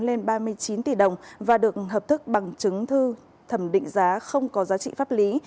lên ba mươi chín tỷ đồng và được hợp thức bằng chứng thư thẩm định giá không có giá trị pháp lý